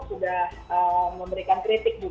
sudah memberikan kritik juga